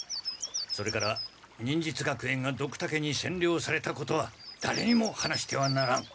それから忍術学園がドクタケにせんりょうされたことはだれにも話してはならん。